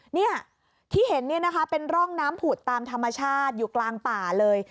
นี่ที่เห็นเป็นร่องน้ำผุดตามธรรมชาติอยู่กลางป่าเลย